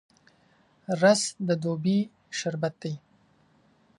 رس د دوبي شربت دی